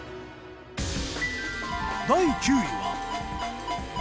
第９位は。